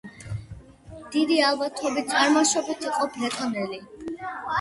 დიდი ალბათობით წარმოშობით იყო ბრეტონელი.